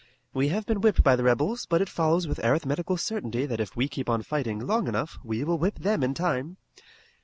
We have been whipped by the rebels, but it follows with arithmetical certainty that if we keep on fighting long enough we will whip them in time.